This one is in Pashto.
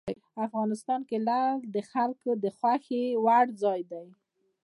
افغانستان کې لعل د خلکو د خوښې وړ ځای دی.